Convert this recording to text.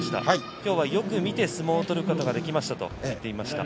今日はよく見て相撲を取ることができましたと言っていました。